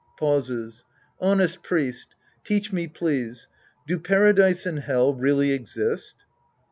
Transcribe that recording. {Pauses^ Honest priest. Teach me, please ; do Paradise and Hell really exist